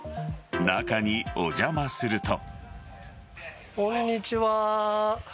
中にお邪魔すると。